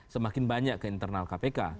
semakin banyak ke internal kpk